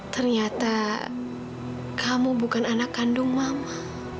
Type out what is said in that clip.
ternyata kamu bukan anak kandung mama